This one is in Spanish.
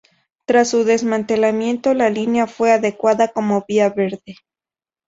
Tras su desmantelamiento, la línea fue adecuada como Vía Verde.